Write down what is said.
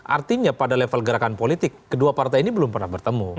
artinya pada level gerakan politik kedua partai ini belum pernah bertemu